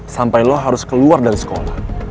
sampai lo harus keluar dari sekolah